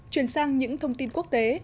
chuyển sang những thông tin quốc tế